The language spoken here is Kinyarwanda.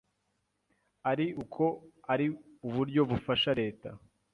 ari uko ari uburyo bufasha Leta